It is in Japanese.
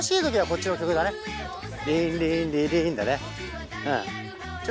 リンリンリリンだね。